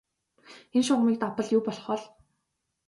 Энэ шугамыг давбал юу болох бол?